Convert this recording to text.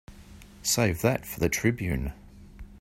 Save that for the Tribune.